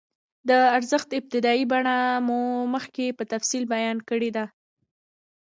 د ارزښت ابتدايي بڼه مو مخکې په تفصیل بیان کړې ده